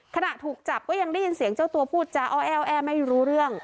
ขณะถูกจับก็ยังได้ยินเสียงเจ้าตัวพูดจาอ้อแอ้วแอไม่รู้เรื่อง